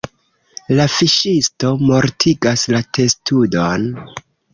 La fiŝisto mortigas la testudon.